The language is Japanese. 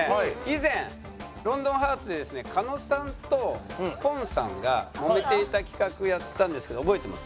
以前『ロンドンハーツ』でですね狩野さんとポンさんがもめていた企画やったんですけど覚えてます？